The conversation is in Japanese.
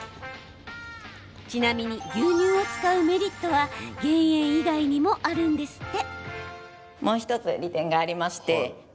ちなみに、牛乳を使うメリットは減塩以外にもあるんですって。